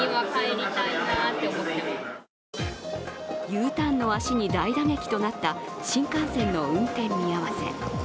Ｕターンの足に大打撃となった新幹線の運転見合わせ。